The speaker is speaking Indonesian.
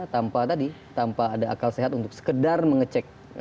tanpa ada akal sehat untuk sekedar mengecek